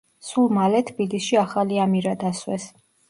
სულ მალე თბილისში ახალი ამირა დასვეს.